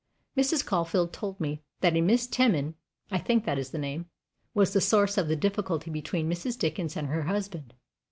Mrs. Caulfield told me that a Miss Teman I think that is the name was the source of the difficulty between Mrs. Dickens and her husband.